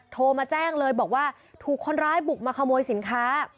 โทรมาแจ้งเลยบอกว่าถูกคนร้ายบุกมาขโมยสินค้า